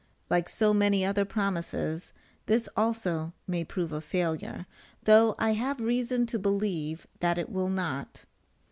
Like so many other promises, this also may prove a failure, though I have reason to believe that it will not.